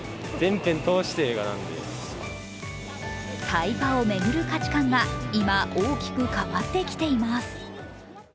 タイパを巡る価値観が今、大きく変わってきています。